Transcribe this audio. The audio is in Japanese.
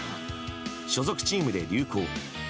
所属チームで流行。